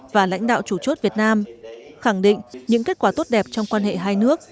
và lãnh đạo chủ chốt việt nam khẳng định những kết quả tốt đẹp trong quan hệ hai nước